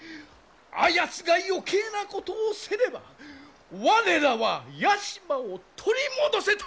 あやつが余計なことをせねば我らは屋島を取り戻せたのじゃ！